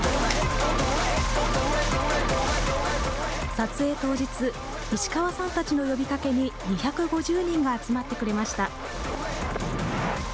撮影当日、石河さんたちの呼びかけに２５０人が集まってくれました。